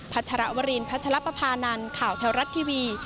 ชรวรินพัชรปภานันข่าวแถวรัฐทีวี